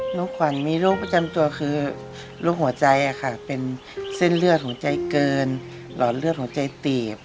หนูขวัญมีลูกประจำตัวคือลูกหัวใจค่ะเป็นเส้นเลือดของใจเกินหล่อเลือดของใจตีบ